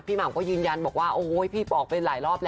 พี่หม่ามก็ยืนยันบอกว่าพี่ปลอกไปหลายรอบ